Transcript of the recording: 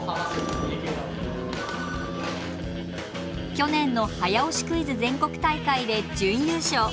去年の早押しクイズ全国大会で準優勝。